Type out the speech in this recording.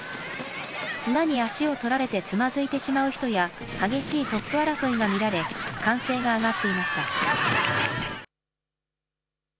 砂に足を取られてつまずいてしまう人や激しいトップ争いが見られ歓声が上がっていました。